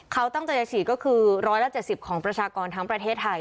เขาตั้งใจจะฉีดก็คือร้อยละเจ็ดสิบของประชากรทั้งประเทศไทย